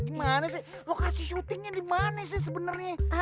gimana sih lokasi syutingnya di mana sih sebenarnya